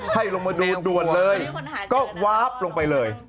ให้ลงมาดูด่วนเลยก็วาบลงไปเลย